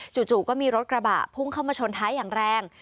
จู่ก็มีรถกระบะพุ่งเข้ามาชนท้ายอย่างแรง